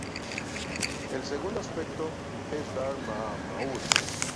El segundo aspecto es Darth Maul.